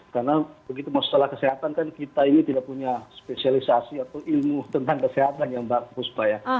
karena begitu masalah kesehatan kan kita ini tidak punya spesialisasi atau ilmu tentang kesehatan ya mbak fusba ya